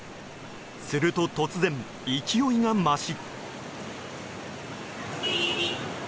すると突然、勢いが増し。